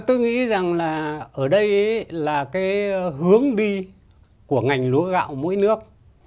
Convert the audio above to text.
tôi nghĩ rằng là ở đây là cái hướng đi của ngành lúa gạo mỗi nước